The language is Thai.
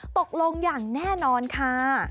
ตกลงอย่างแน่นอนค่ะ